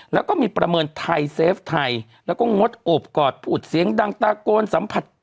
แล้วก็มีประเมินไทยเซฟไทยแล้วก็งดโอบกอดพูดเสียงดังตะโกนสัมผัส